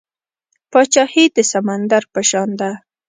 پاچاهي د سمندر په شان ده .